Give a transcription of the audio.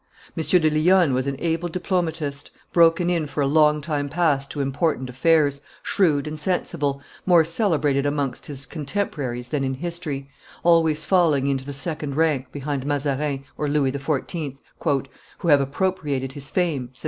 M. de Lionne was an able diplomatist, broken in for a long, time past to important affairs, shrewd and sensible, more celebrated amongst his contemporaries than in history, always falling into the second rank, behind Mazarin or Louis XIV., "who have appropriated his fame," says M.